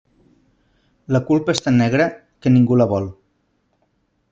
La culpa és tan negra que ningú la vol.